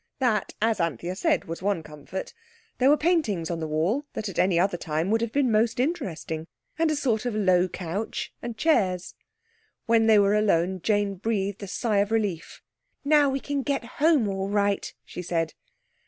That, as Anthea said, was one comfort. There were paintings on the wall that at any other time would have been most interesting. And a sort of low couch, and chairs. When they were alone Jane breathed a sigh of relief. "Now we can get home all right," she said.